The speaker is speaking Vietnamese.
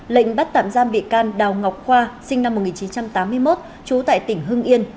lệnh bắt tạm giam bị can đào ngọc khoa sinh năm một nghìn chín trăm tám mươi một trú tại tỉnh hưng yên